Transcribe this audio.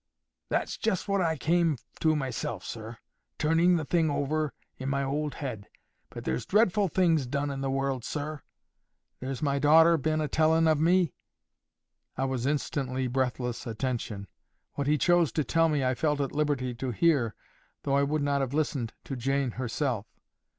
"That's just what I came to myself, sir, turning the thing over in my old head. But there's dreadful things done in the world, sir. There's my daughter been a telling of me—" I was instantly breathless attention. What he chose to tell me I felt at liberty to hear, though I would not have listened to Jane herself.